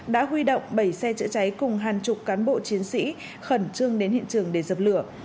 đã huy động bảy xe chữa cháy cùng hàng chục cán bộ chiến sĩ khẩn trương đến hiện trường để dập lửa